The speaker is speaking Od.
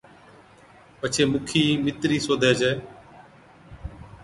پڇي مُکِي مِترِي سوڌي ڇَي